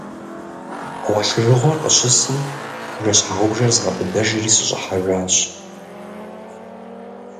Гъуэлъыжыгъуэр къыщысым, бжэщхьэгъубжэр згъэбыдэжри сыщӏыхьэжащ.